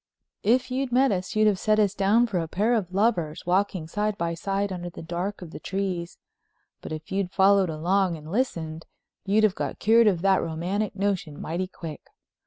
If you'd met us you'd have set us down for a pair of lovers, walking side by side under the dark of the trees. But if you'd followed along and listened you'd have got cured of that romantic notion mighty quick.